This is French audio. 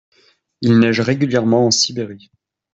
Il neige régulièrement en Sibérie.